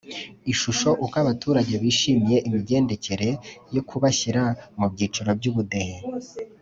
Ishusho Uko abaturage bishimiye imigendekere yo kubashyira mu byiciro by ubudehe